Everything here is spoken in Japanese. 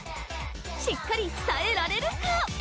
しっかり伝えられるか？